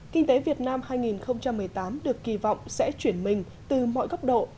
kinh tế việt nam hai nghìn một mươi tám được kỳ vọng sẽ chuyển mình từ mọi góc độ